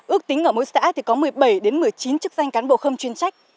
ước tính ở mỗi xã thì có một mươi bảy một mươi chín chức danh cán bộ không chuyên trách